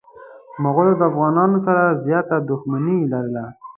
مغولو د افغانانو سره زياته دښمني لرله.